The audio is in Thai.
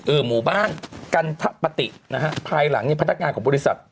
หมู่บ้านกันทะปฏินะฮะภายหลังเนี่ยพนักงานของบริษัท